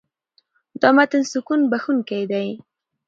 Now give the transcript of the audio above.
دا متن سکون بښونکی دی.